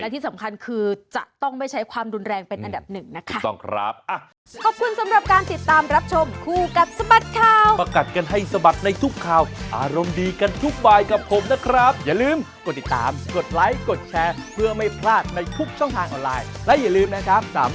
ที่สำคัญคือจะต้องไม่ใช้ความรุนแรงเป็นอันดับหนึ่งนะคะ